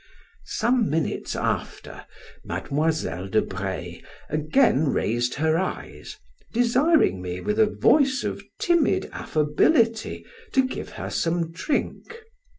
Some minutes after Mademoiselle de Breil again raised her eyes, desiring me with a voice of timid affability to give her some drink.